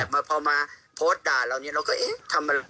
พอมาโพสต์ด่าเรานี้เราก็เอ๊ะทำอะไร